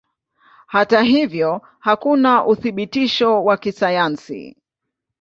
Hata hivyo hakuna uthibitisho wa kisayansi.